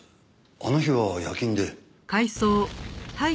あの日は夜勤で。